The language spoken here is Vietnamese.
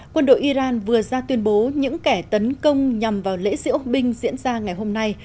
quân đội iran vừa ra tuyên bố những kẻ tấn công nhằm vào lễ diễu binh diễn ra ngày hôm nay